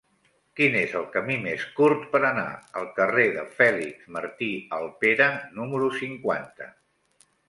Quin és el camí més curt per anar al carrer de Fèlix Martí Alpera número cinquanta?